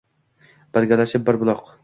Birgalashib bir buloq.